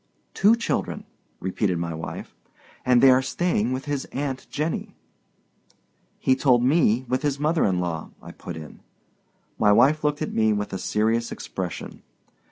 "Two children," repeated my wife; "and they are staying with his aunt Jenny." "He told me with his mother in law," I put in. My wife looked at me with a serious expression.